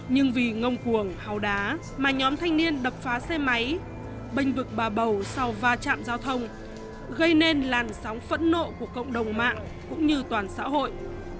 nhưng vì ngông cuồng háo đá mà nhóm thanh niên đập phá xe máy bênh vực bà bầu sau va chạm giao thông gây nên làn sóng phẫn nộ của cộng đồng mạng cũng như toàn xã hội